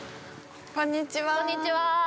こんにちは。